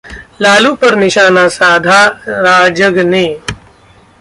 लालू पर निशाना साधा राजग ने